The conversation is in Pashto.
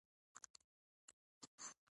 موږ به سبا غونډه ولرو.